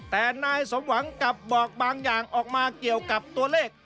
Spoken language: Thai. แต่นายสมหวังกลับบอกบางอย่างออกมาเกี่ยวกับตัวเลข